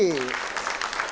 terima kasih mas budiman